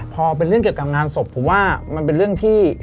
พอเป็นเรื่องเกี่ยวกับงานศพผมว่ามันเป็นเรื่องที่